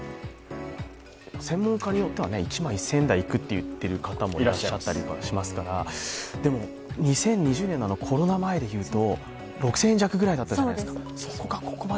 専門家によっては１万１０００円台いくという方もいますからでも、２０２０年のコロナ前で言うと、６０００円弱ぐらいじゃないですか。